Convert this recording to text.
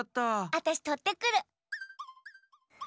あたしとってくる！